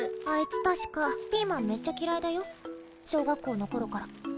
あいつ確かピーマンめっちゃ嫌いだよ小学校の頃から。